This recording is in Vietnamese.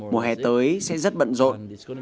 mùa hè tới sẽ rất bận rộn